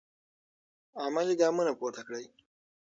عملي ګامونه پورته کړئ.